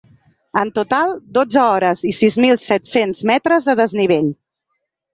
En total, dotze hores i sis mil set-cents metres de desnivell.